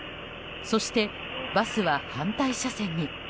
そしてバスは反対車線に。